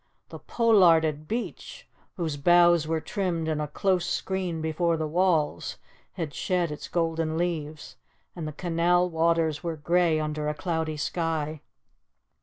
The pollarded beech, whose boughs were trimmed in a close screen before the walls, had shed its golden leaves and the canal waters were grey under a cloudy sky.